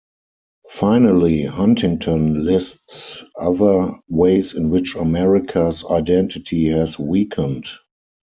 Finally, Huntington lists other ways in which America's identity has weakened.